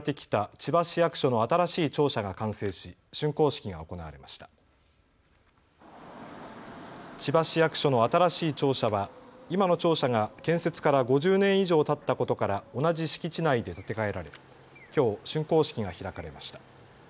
千葉市役所の新しい庁舎は今の庁舎が建設から５０年以上たったことから同じ敷地内で建て替えられきょう竣工式が開かれました。